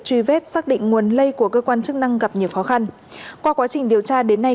truy vết xác định nguồn lây của cơ quan chức năng gặp nhiều khó khăn qua quá trình điều tra đến nay